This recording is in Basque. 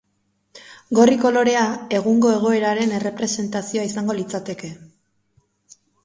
Gorri kolorea egungo egoeraren errepresentazioa izango litzateke.